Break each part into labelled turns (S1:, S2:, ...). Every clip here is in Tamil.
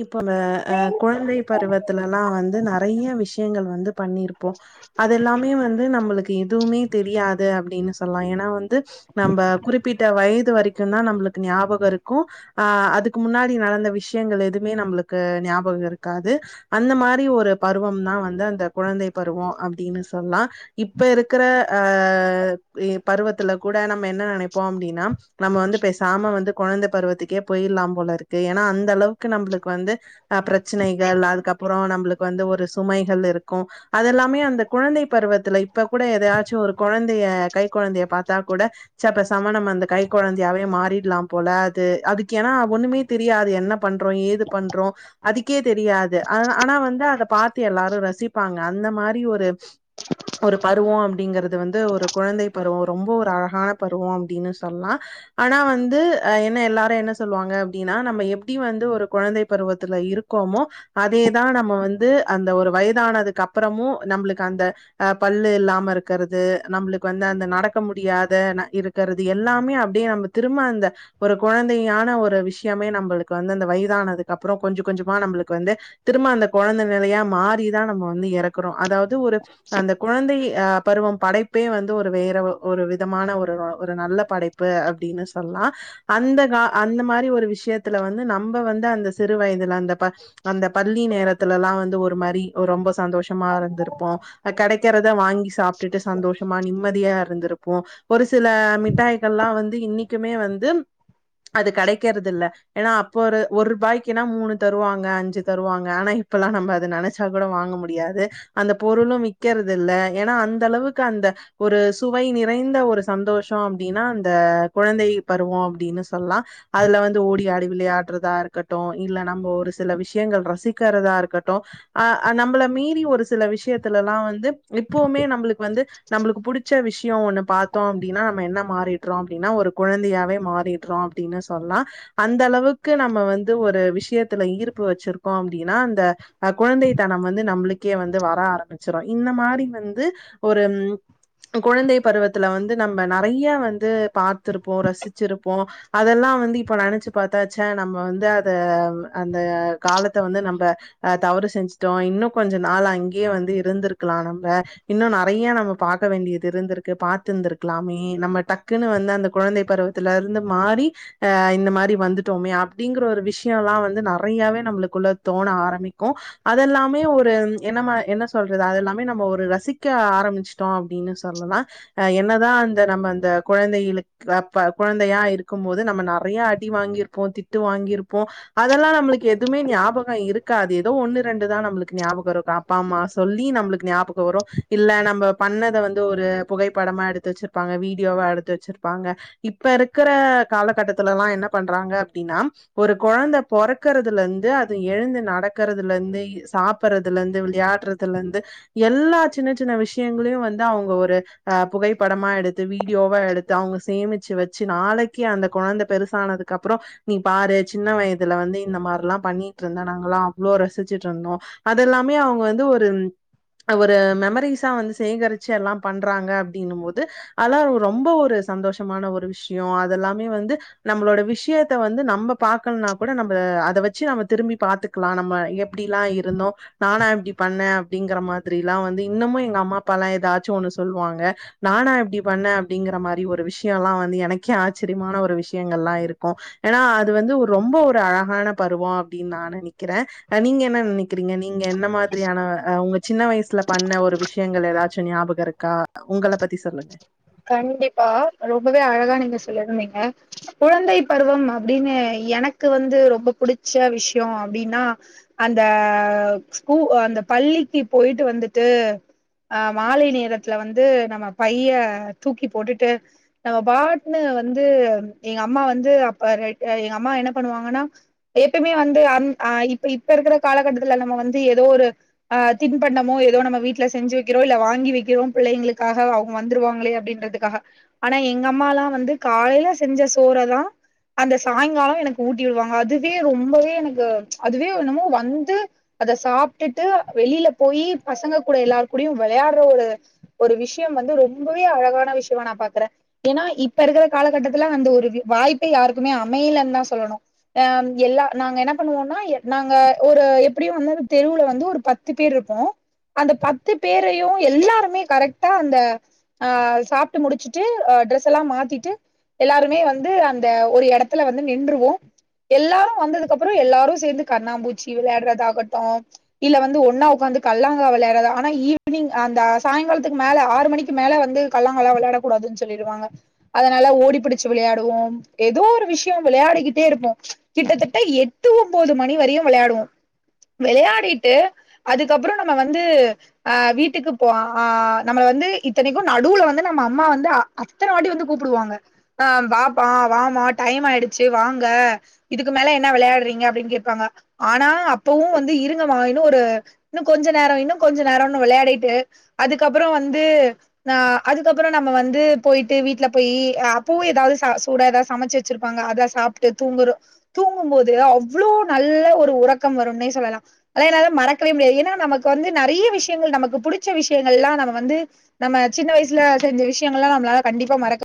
S1: இப்ப இந்த அ கொழந்தை பருவத்துலல்லா வந்து நெறைய விஷயங்கள் வந்து பண்ணிருப்போ அது எல்லாமே வந்து நம்மளுக்கு எதுவுமே தெரியாது அப்டின்னு சொல்லா ஏன்னா வந் து நம்ப குறிப்பிட்ட வயது வரைக்கும் தா நம்புளுக்கு ஞாபகம் இருக்கும் ஆ அதுக்கு முன்னாடி நடந்த விஷ் ஷ்யங்கள் எதுமே நம்ளுக்கு ஞாபக இருக்காது அந்த மாரி ஒரு பருவம் தா வந்து அந்த குழந்தை பருவம் அப்டின் சொல்லா இப்ப இருக்கிற ஆ பருவத்துல கூட நம்ம என்ன நெனைப்போ அப்டின்னா நம்ம வந்து பெசாம வந்து கொழந்தை பருவத்துக்கே போயிர்ல்லா போல இருக்கு ஏன்னா அந்த அளவுக்கு நம்புளுக்கு வந்து அ பிரச்சனைகள் அதுக்கப்புறோ நம்புளுக்கு வந்து ஒரு சுமைகள் இருக்கும் அதெல்லாமே அந்த குழந்தை பருவத்துல இப்ப கூட எதாச்சும் ஒரு குழந்தைய கை குழந்தைய பார்த்தா கூட சப்ப சம நம் ச்ச பேசாம வந்து அந்த கை குழந்தையாவே மாறிடலா போல அது அதுக்கு ஏன்னா ஒண்ணுமே தெரியாது என்ன பண்ணுறோ ஏது பண்ணுறோ அதுக்கே தெரியாது ஆ ஆனா வந்து அத பாத்து எல்லாரு ரசிப்பாங்க அந்த மாதிரி ஒரு ஒரு பருவம் அப்டிங்கிறது வந்து ஒரு குழந்தை பருவ ரொம்ப ஒரு அழகான பருவ அப்டின்னு சொல்லலா ஆனா வந்து அ என்ன எல்லாரும் என்ன சொல்லுவாங்க அப்டின்னா நம்ம எ எப்டி வந்து ஒரு குழந்தை பருவத்துல இருக்கோமோ அதேதா நம்ம வந்து அந்த ஒரு வயதானதுக்கு அப்பறமு நம்மளுக்கு அந்த அஹ் பல்லு இல்லாம இருக்குறது நம்மளுக்கு வந்து அந்த நடக்க முடியாத இரு இருக்கிறது எல்லாமே அப்டியே நம்ம திரும்ப அந்த ஒரு குழந்தையான ஒரு விஷயமே நம்மளுக்கு வந்து அந்த வயதானதுக்கு அப்பற கொஞ்ச கொஞ்சமா நம்மளுக்கு வந்து திரும்ப அந்த கொழந்த நெலையா மாரி தா நம்ம வந்து எறக்குறோ அதாவ்து ஒரு அந்த குழந்தை அ பருவம் படைப்பே வந்து ஒரு வேற ஒரு விதமான ஒரு ஒரு நல்ல படைப்பு அப்டின்னு சொல்லா அந்த கா அந்த மாரி ஒரு விஷயத்துல வந்து நம்ப வந்து அந்த சிறு வயதுல அந்த பா அந்த பள்ளி நேரத்துலலா வந்து ஒரு மாரி ஒரு ரொம்ப சந்தோஷமா இருந்திருப்போ கெடைக்கிறத வாங்கி சாப்ட்டுட்டு சந்தோஷமா நிம்மதியா இருந்திருக் ஒரு சில மிட்டாய்கள்லா வந்து இன்னிக்குமே வந்து அது கிடைக்கறது இல்ல ஏன்னா அப்போ ஒரு ரூபாய்க்குன்னா மூணு தருவாங்க அஞ்சு தருவாங்க ஆனா இப்பல்லா நம்ம அத நெனைச் கூட வாங்க முடியாது அந்த பொருளும் விக்கறது இல்ல ஏன்னா அந்த அளவுக்கு அந்த ஒரு சுவை நிறைந்த ஒரு சந்தோஷ அப்டின்னா அந்த குழந்தை பருவ அப்டின்னு சொல்லலா அதுல வந்து ஓடி ஆடி விளையாடுறதா இருக்கட்டும் இல்ல நம்ம ஒரு சில விஷயங்கள் ரசிக்கிறதா இருக்கட்டும் அ நம்மள மீறி ஒரு சில விஷயத்துல எல்லா வந்து இப்பவுமே நம்மளுக்கு வந்து நம்மளுக்கு புடிச்ச விஷய ஒண்ணு பாத்தோ அப்டின்னா நம்ம என்ன மாறிறோ அப்டின்னா ஒரு குழந்தையாவே மாறிடுறோ னு சொல்லலா அந்த அந்த அளவுக்கு நம்ம வந்து ஒரு விஷயத்துல ஈர்ப்பு வச்சிருக்கோ அப்டின்னா அந்த அ குழந்தை தனம் வந்து நம்மளுக்கே வந்து வர ஆரம்பிச்சிரும் இந்த மாரி வந்து ஒரு குழந்தை பருவத்துல வந்து நம்ம நெறைய வந்து பாத்து இருப்போ ரசிச்சிருப்போ அதெல்லா வந்து இப்ப நெனைச்சு ப்த்தாச்ச நம்ம வந்து அத அந்த காலத்த வந்து நம்ம அஹ் தவறு செஞ்சுட்டோ இன்னும் கொஞ்ச நாள் அங்கயே வந்து இருந்திருக்கலா நம்ப இன்னும் நெறைய நம்ம பார்க்க வேண்டியது இருந்திருக்கு பாத்திருந்திருக்கலாமே நம்ம டக்குன்னு வந்து அந்த குழந்தை பருவ ல இருந்து மாறி ஆ இந்த மாதிரி வந்துட்டோமே அப்டிங்கிற ஒரு விஷய எல்லா வந்து நெறையாவே நம்மளுக்குள்ள தோண ஆரம்பிக்கும் அதெல்லாமே ஒரு என்னம என்ன சொல்றது அததுெல்லாமே ஒரு ரசிக்க ஆரம்பிச் ட்டோ அப்டின்னு சொல்லலா அ என்னதா அந்த நம்ம அந்த கொழந்தைகளுக்கு அப்ப கொழந்தையா இருக்கும் போது நம்ம நெறையா டி வாங்கியிருப்போ திட்டு வாங்கியிருப்போ அதெல்லா நம்மளுக்கு எதுமே ஞாபக இருக்காது ஏதோ ஒண்ணு ரெண்டு தா நம்பளுக்கு ஞாபக இருக்கும் அப் அப்பா அம்மா சொல்லி நம்மளுக்கு ஞாபக வரு இல்ல நம்ப பண்ணத வந்து ஒரு புகைப்படமா எடுத்து வச்சிருப்பாங்க வீடியோவா எடுத்து வச்சிருப்பாங்க இப்ப இருக்கிற காலகட்டத்துல எல்லா என்ன பண்றாங்க அப்டின்னா ஒரு கொழந்த பொறக்கிறதுல இருந்து அது எழுந்து நடக்கிறதுல இருந்து இ சாப் ப்புட்றதுல இருந்து வெளையாடுறதுலருந்து எல்லா சின்னச் சின்ன விஷயங்களையு வந்து அவுங்க ஒரு அ புகைப்படமா எடுத் து வீடியோவா எடுத்து அவுங்க சேமிச்சு வச்சு நாளைக்கு அந்த கொழந்த பெருசானதுக்கு அப்பற நீ பாரு சின்ன வயதுல வந்து இந்த மாதிரில்லா பண்ணிட்டு இருந்த நாங்கல்லா அவ்ளோ ரசிச்சுட்டு இருந்தோ அதெல்லாமே அவுங்க வந்து ஒரு ஒரு மெமரிஸா வந்து சேகரிச்சு எல்லாம் பண்றாங்க அப்டின்னும் போது அதல்லா ரொம்ப ஒரு சந்தோஷமான ஒரு விஷ்யோ அதெல்லாமே வந்து நம்மளோட விஷ் விஷ்யத்த வந்து நம்ப பாக்கலனா கூட நம்ம அத வச்சு நம்ப திரும்பி பாத்துக்கலா நம்ம எப்டிலா இருந்தோ நானா இப்டி பண்ணே அப்டிங்கிற மாதிரில்லா வந்து இன்னமு எங்க அம்மா அப்பா எல்லா எதாச்சு ஒண்ணு சொல்வாங்க நானா இப்டி பண்ணே அப்டிங்கிற மாரி ஒரு விஷ்யோலா வந்து எனக்கே ஆச்சிரியமான ஒரு விஷ்யங்கள்லா இருக் க்கு ஏன்னா அது வந்து ஒரு ரொம்ப ஒரு அழகான பருவோ அப்டின் நா நெனக்கிறே அ நீங்க என்ன நெனக் க்கிறீங்க நீங்க என்ன மாதிரியான அ உங்க சின்ன வயசுல பண்ண ஒரு விஷயங்கள் எதாச்சு ஞாபக இருக்கா அ உங்களப் பத்தி சொல்லுங்க
S2: கண்டிப்பா ரொம்பவே அழகா நீங்க சொல்லியிருந்தீங்க குழந்தைப் பருவம் அப்டின்னு எனக்கு வந்து ரொம்ப புடிச்ச விஷ்யோ அப்டின்னா அந்த ஸ்கூ அந்த பள்ளிக்கு போயிட்டு வந்துட்டு அ மாலை நேரத்துல வந்து நம்ம பைய தூக்கி போட்டுட்டு நம்ம பாட்ன்னு வந்து எங்க அம்மா வந்து அப்ப எ எங்க அம்மா என்ன பண்ணுவாங்கன்னா எப்பையுமே வந்து அந் அ இப்ப இப்ப இருக்குற காலகட்டத்துல நம்ம வந்து எதோ ஒரு ஆ தின்பண்டமோ எதோ நம்ம வீட்ல செஞ்சு வக்கிறோ இல்ல வாங்கி வக்கிறோ புள்ளைங்களுக்காக அவுங்க வந்துருவாங்களே அப்டின் றதுக்காக ஆனா எங்க அம்மால்லா வந்து காலையில செஞ்ச சோறதா அந்த சாய்ங்காலோ எனக்கு ஊட்டி விடுவாங்க அதுவே ரொம்பவே எனக்கு அதுவே என்னமோ வந்து அத சாப்ட்டுட்டு வெளியில போயி பசங்க கூட எல்லாரு கூடயு வெளையாட்ற ஒரு ஒரு விஷ்யம் வந்து ரொம்பவே அழகான விஷயமா நா பாக்குறே ஏன்னா இப்ப இருக்குற காலகட்டத்துல அந்த ஒரு வி வாய்ப்பே யாருக்குமே அமையலன் தா சொல்லணு அ எல்லா நாங்க என்ன பண்ணுவோன்னா எ நாங்க ஒரு எப்டியு வந்து தெருவுல வந்து ஒரு பத் பத்து பேர் இருப்போ அந்த பத்து பேரையு எல்லாருமே கரெக்டா அந்த அ சாப்ட்டு முடிச்சுட்டு அ டிரெஸ் எல்லா மாத்திட்டு எல்லாருமே வந்து அந்த ஒரு எடத்துல வந்து நின்றுவோ எல்லாரு வந்ததுக்கப்பறோ எல்லாரு சேர்ந்து கண்ணாமூச்சி வெளையாட்றதாகட்டும் இல்ல வந்து ஒன்னா உக்காந்து கல்லாங்கா வெளையாட்றதா ஆனா ஈவினிங் அந்த சாயங்காலத்துக்கு மேல ஆறு மணிக்கு மேல வந்து கல்லாங்கால்லா வெளையாடக் கூடாதுன் சொல்லிருவாங்க அதனால ஓடி புடிச்சு வெளையாடுவோ எதோ ஒரு விஷ்யோ வெளையாடிக்கிட்டே இருப்போ கிட்டத்தட்ட எட்டு ஒம்போது மணி வரையு வெளையாடுவோ வெளையாடிட்டு அதுக்கப்பறோ நம்ம வந்து அ வீட்டுக்கு போவ ஆ நம்மள வந்து இத்தனைக்கு நடுவுல வந்து நம்ம அம்மா வந்து அ அத்தன வாட்டி வந்து கூப்புடுவாங்க ஆ வாப்பா வாம்மா டைம் ஆயிடுச்சு வாங்க இதுக்கு மேல என்ன வெளையாடுறீங்க அப்டின் கேப்பாங்க ஆனா அப்பவு வந்து இருங்கம்மா இன்னு ஒரு இன்னு கொஞ்ச நேரோ இன்னு கொஞ்ச நேரோன்னு வெளையாடிட்டு அதுக்கப்பறோ வந்து ஆ அதுக்கப்பறோ நம்ம வந்து போயிட்டு வீட்ல போயி அ அப்பவு எதாவது ச சூடா எதாவது சமச்சு வச் வச்சுருப்பாங்க அத சாப்ட்டு தூங்குறோ தூங்கும் போது அவ்ளோ நல்ல ஒரு உறக்கம் வரும்னே சொல்லலாம் அதல்லா என்னால மறக்கவே முடியாது ஏன்னா நமக்கு வந்து நெறைய விஷயங்கள் நமக்கு புடிச்ச விஷயங்கள் எல்லா நம்ம வந்து நம்ம சின்ன வயசுல செஞ்ச விஷயங்கள்லா நம்மளால கண்டிப்பா மறக்க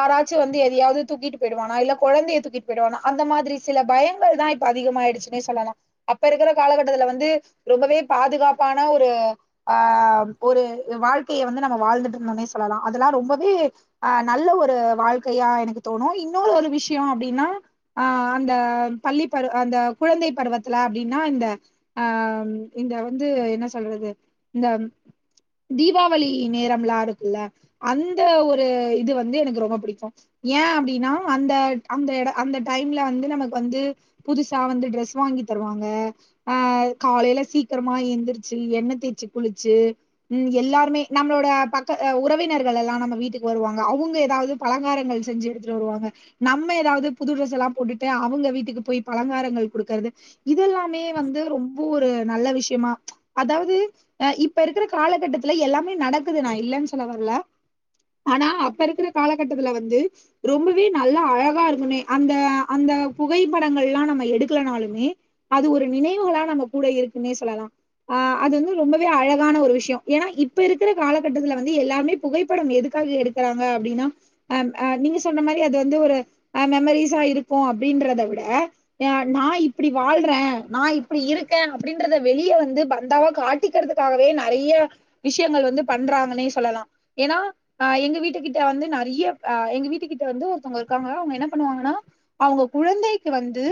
S2: ஆராச்சு வந்து எதையாவது தூக்கிட் போய்டுவானா இல்ல கொழந்தைய தூக்கிட்டு போய்டுவானா அந்த மாதிரி சில பயங்கள் தா இப்ப அதிகமாயிடுச்சுன்னே சொல்லலா அப்ப இருக்குற காலகட்டத்துல வந்து ரொம்பவே பாதுகாப்பான ஒரு ஆ ஒரு வாழ்க்கைய வந்து நம்ம வாழ்ந்துட்டு இருந்தோனே சொல்லலா அதெல்லா ரொம்பவே ஆ நல்ல ஒரு வாழ்க்கையா எனக்கு தோணு இன்னொரு ஒரு விஷ்யோ அப்டின்னா ஆ அந்த பள்ளி பருவ அந்த குழந்தை பருவத்துல அப்டின்னா இந்த ஆ இந்த வந்து என்ன சொல்றது இந்த தீபாவளி நேரம்லா இருக்குல்ல அந்த ஒரு இது வந்து எனக்கு ரொம்ப பிடிக்கு ஏன் அப்டின்னா அந்த அந்த எடோ அந்த டைம்ல வந்து நமக்கு வந்து புதுசா வந்து ட்ரெஸ் வாங்கி தருவாங்க அ காலையில சீக்கரமா எந்திரிச்சி எண்ணெ தேய்ச்சு குளிச்சு ம் எல்லாருமே நம்மளோட பக்க உறவினர்கள் எல்லா நம்ம வீட்டுக்கு வருவாங்க அவுங் ஏதாவது பலங்காரங்கள் செஞ்சி எடுத்துட்டு வருவாங்க நம்ம ஏதாவது புது ட்ரெஸ் எல்லா போட்டுட்டு அவங்க வீட்டுக்கு போய் பலங்காரங்கள் குடுக்கறது இதெல்லாமே வந்து ரொம்ப ஒரு விஷயமா அதாவது ஆ இப்ப இருக்கிற காலகட்டத்துல எல்லாமே நடக்குது நா இல்லன் சொல்ல வரல ஆனா அப் ப இருக்கற காலகட்டத்துல வந்து ரொம்பவே நல்லா அழகா இருந்துனே அந்த அந்த புகைப்படங்கள் எல்லா நம்ம எடுக்கலனாலுமே அது ஒரு நினைவுகளா நம்ம கூட இருக்குன்னே சொல்லலா ஆ அது வந்து ரொம்பவே அழகான ஒரு விஷயோ ஏனா இப்ப இருக்கிற காலகட்டத்துல வந்து எல்லாருமே புகைப்படம் எதுக்காக எடுக் கறாங்க அப்டின்னா அ அ நீங்க சொன்ன மாரி அது வந்து ஒரு அ மெமரிஸா இருக்கு அப்டின்றத விட ஏ நா இப்டி வாழ்றே நா இப்டி இருக்கே அப்டின்றத வெளிய வந்து பந்தாவா காட் டிக்கிறதுக்காகவே நெறைய விஷயங்கள் வந்து பண்றாங்கன்னே சொல்லலா ஏனா எங்க வீட் வீட்டு கிட்ட வந்து நெறைய எங்க வீட்டு கிட்ட வந்து ஒருத்தவங்க இருக்காங்க அவங்க என்ன பண்ணுவாங்கன்னா அவங்க குழந்தைக்கு வந்து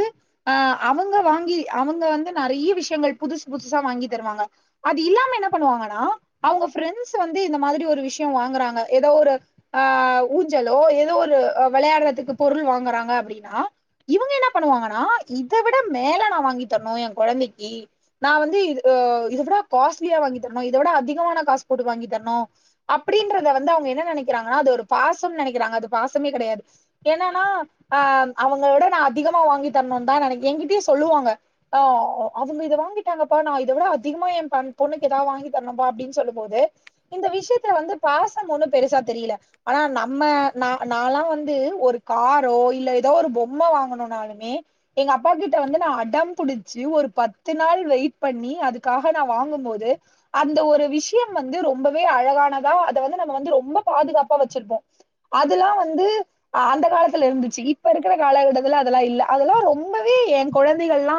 S2: அ அவங்க வாங்கி அவங்க வந்து நெறைய விஷ்யங்கள் புதுசு புதுசா வாங்கி தருவாங்க அது இல்லாம என்ன பண்ணுவாங்கனா அவங்க ஃப்ரெண்ட்ஸ் வந்து இந்த மாதிரி ஒரு விஷ்யோ வாங்குறாங்க ஏதோ ஒரு அ ஊஞ்சலோ ஏதோ ஒரு விளையாடுறதுக்கு பொருள் வாங்குறாங்க அப்டினா இவங்க என்ன பண்ணுவாங்கன்னா இத விட மேல நா வாங்கி தரணு எ கொழந்தைக்கி நா வந்து இ இத விட காஸ்ட்லியா வாங்கி தரணு இதை விட அதிகமான காசு போட்டு வாங்கி தரணு அப்டின்றத வந்து அவங்க நெனைக்கிறாங்கன்னா அது ஒரு பாசம்னு நெனைக்கிறாங்க அது பாசமே கெடையாது என்னன்னா அ அவங்கள விட நா அதிகமா வாங்கி தரணுந்தா நெனைக்கி எங்கிட்டயே சொல்லுவாங்க ஆ அவங்க இத வாங்கிட்டாங்கப்பா நா இத விட அதிகமா என் பொண்ணுக்கு ஏதாவது வாங்கி தரணும்ப்பா அப்டின்னு சொல்லும் போது இந்த விஷயத்துல வந்து பாசம் ஒண்ணும் பெருசா தெரியல ஆனா நம்ம நா நாலா வந்து ஒரு காரோ இல்ல ஏதோ ஒரு பொம்மை வாங்கணுன்னாலுமே எங்க அப்பா கிட்ட வந்து நா அடம் புடிச்சி ஒரு பத்து நாள் வெயிட் பண்ணி அதுக்காக நா வாங்கும்போது அந்த ஒரு விஷயம் வந்து ரொம்பவே அழகானதா அத நம்ம வந்து பாதுகாப்பா வச்சிருப்போ அதெல்லா வந்து அந்த காலத்துல இருந்துச்சி இருக்கிற காலகட்டத்துல அதெல்லா இல்ல அதெல்லா ரொம்பவே என் கொழந்தைகள்லா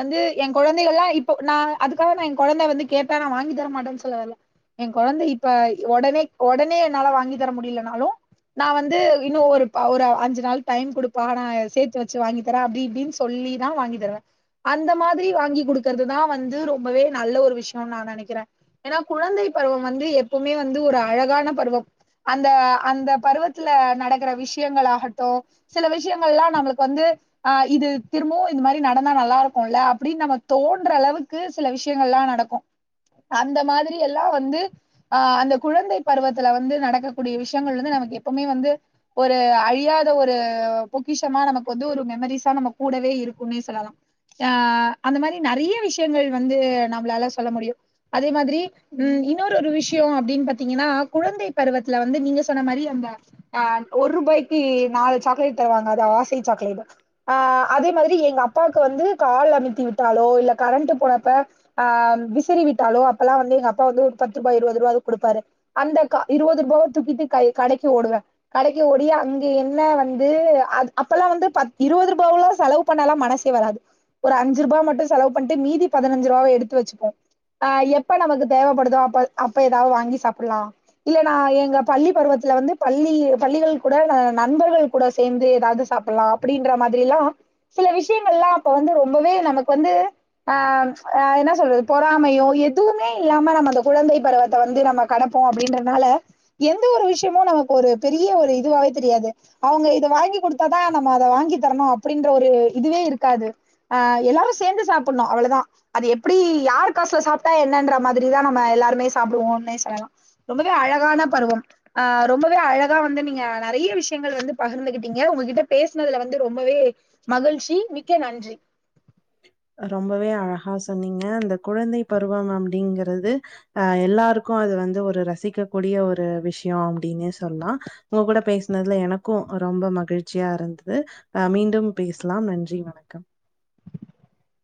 S2: வந்து என் கொழந்தைகள்லா இப்போ நா அதுக்காக நா என் கொழந்தை வந்து கேட்டா நா வாங்கி தரமாட்டேன்னு சொல்ல வரல என் கொழந்தை இப்ப உடனே உடனே என்னால வாங்கி தர முடியலனாலு நா வந்து இன்னு ஒரு ஒரு அஞ்சு நாள் டைம் குடுப்பா நா சேத்து வெச்சு வாங்கி தர அப்டிஇப்டின் சொல்லி தா வாங்கி தருவே அந்த மாதிரி வாங்கி குடுக்கற்துதா வந்து ரொம்பவே நல்ல ஒரு விஷயோனு நா நெனைக்கிறே ஏனா குழந்தை பருவம் வந்து எப்பவுமே வந்து ஒரு அழகான பருவம் அந்த அந்த பருவத்துல நடக்கற விஷ்யங்கள ஆகட்டு சில விஷ்யங்கள்லா நம்மளுக்கு வந்து ஆ இது திரும்பவும் இந்த மாதிரி நடந்தா நல்லா இருக்குல்ல அப்டின்னு நம்ம தோன்ற அளவுக் கு சில விஷயங்கள்லா நடக்கு அந்த மாதிரி எல்லா வந்து ஆ அந்த குழந்தை பருவத்துல வ ந்து நடக்கக்கூடிய விஷியங்கள் வந்து நமக்கு எப்பவுமே வந்து ஒரு அழியாத ஒரு பொக்கிஷமா நமக்கு வந்து ஒரு மெமரிஸா நம்ம கூடவே இருக்குன்னே சொல்லலா ஆ அந்த மாரி நெறைய விஷயங்கள் வந்து நம்மளால சொல்ல முடியு அதே மாதிரி ம் இன்னொரு ஒரு விஷயோ அப்டின் பாத்தீங்கன்னா குழந்தை பருவத்துல வந்து நீங்க சொன்ன மாரி அந்த ஆ ஒரு ரூபாய்க்கி நாலு சாக்லேட் தருவாங்க அது ஆசை சாக்லேட் ஆ அதே மாதிரி எங்க அப்பாவுக்கு வந்து கால் அமத்தி விட்டாலோ இல்ல கரண்ட் போனப்ப ஆ விசறி விட்டாலு அப்பெல்லா வந்து எங்க அப்பா வந்து ஒரு பத்து ரூபாய் இருபது ரூபா ஏதோ குடுப்பாரு அந்த கா இருவது பேக் தூக்கிட்டு கா கடைக்கி ஓடுவே கடைக்கி ஓடி அங்க என்ன வந்து அது அப்பல்லா வந்து பத் இருபது ரூபாயல்லா செலவு பண்ணலா மனசு வராது ஒரு அஞ்சி ரூபா மட்டு செலவு பண்ணிட்டு மீதி பதினஞ்சி ரூவாய எடுத்து வச்சிப்போ ஆ எப்ப நமக்கு தேவைப்படுதோ அப்ப அப்ப ஏதாவது வாங்கி சாப்ட்லா இல்ல நா எங்க பள்ளி பருவத்துல வந்து பள்ளி பள்ளிகள் கூட ந நண்பர்கள் கூட சேந்து ஏதாவது சாப்ட்லா அப்டின்ற மாதிரில்லா சில விஷயங்கள்ல்லா அப்ப வந்து ரொம்பவே நமக்கு வந்து ஆ ஆ என்ன சொல்றது பொறாமையோ எதுவுமே இல்லாம நம்ம அந்த குழந்தை பருவத்த வந்து நம்ம கடப்போ அப்டின்றதுனால எந்த ஒரு விஷயமே நமக்கு ஒரு பெரிய ஒரு இதுவாவே தெரியாது அவுங்க இத வாங்கி குடுத்தாதா நம்ம அத வாங்கி தரணு அப்டின்ற ஒரு இதுவே இருக்காது ஆ எல்லாரு சேந்து சாப்ட்ணு அவ்ளதா அது எப்டி யார் காசுல சாப்ட்டா என்னன்ற மாதிரிதா நம்ம எல்லாருமே சாப்டுவோம்னே சொல்லலா ரொம்பவே அழகான பருவம் ஆ ரொம்பவே அழகா வந்து நீங்க நெறைய விஷயங்கள் வந்து பகிர்ந்துகிட்டீங்க உங்ககிட்ட பேசுனதுல வந்து ரொம்பவே மகிழ்ச்சி மிக்க நன்றி
S1: ரொம்பவே அழகா சொன்னீங்க அந்த குழந்தை பருவம் அப்டிங்கிறது ஆ எல்லாருக்கு அது வந்து ஒரு ரசிக்க கூடிய ஒரு விஷயோ அப்டின்னே சொல்லலா உங்க கூட பேசுனதுல எனக்கு ரொம்ப மகிழ்ச்சியா இருந்தது ஆ மீண்டும் பேசலாம் நன்றி றி வணக்கம்
S2: உம்